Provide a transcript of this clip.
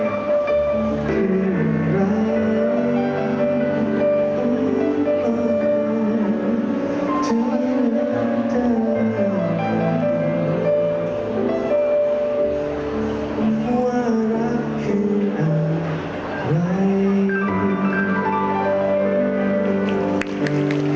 คืออะไรถ้าเธออยู่หลังจากว่ารักคืออะไร